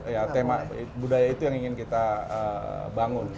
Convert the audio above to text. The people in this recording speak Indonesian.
ya tema budaya itu yang ingin kita bangun